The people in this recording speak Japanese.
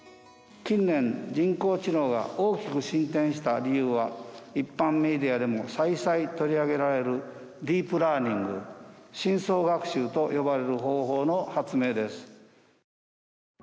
近年人工知能が大きく進展した理由は一般メディアでも再々取り上げられる「ディープラーニング」深層学習と呼ばれる方法の発明です。